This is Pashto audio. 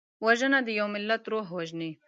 وژنه د یو ملت روح وژني